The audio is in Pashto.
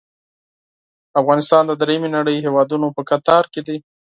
افغانستان د دریمې نړۍ هیوادونو په کتار کې دی.